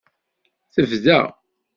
Tebda.